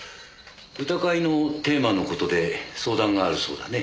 歌会のテーマの事で相談があるそうだね？